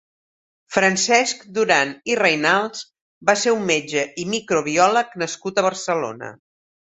Francesc Duran i Reynals va ser un metge i microbiòleg nascut a Barcelona.